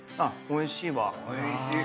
おいしい。